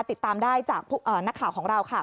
ติดตามได้จากนักข่าวของเราค่ะ